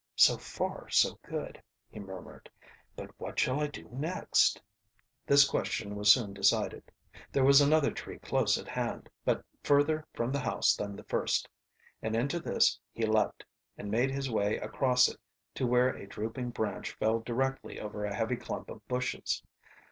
"So far so good!" he murmured. "But what shall I do next?" This question was soon decided. There was another tree close at band, but further from the house than the first, and into this he leaped, and made his way across it to where a drooping branch fell directly over a heavy clump of bushes.